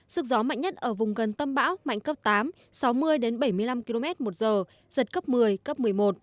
sức gió mạnh nhất ở vùng gần tâm bão mạnh cấp tám sáu mươi bảy mươi năm km một giờ giật cấp một mươi cấp một mươi một